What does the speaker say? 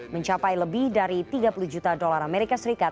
mencapai lebih dari tiga puluh juta dolar as